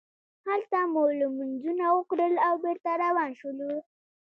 هلته مو لمونځونه وکړل او بېرته روان شولو.